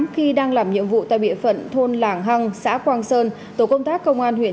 tám khi đang làm nhiệm vụ tại biện phận thôn lạng hăng xã quang sơn tổ công tác công an huyện